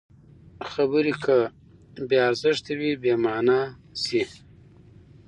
خبرې که بې ارزښته وي، بېمانا شي.